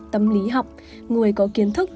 tâm lý học người có kiến thức